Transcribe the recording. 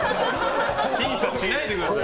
審査しないでください。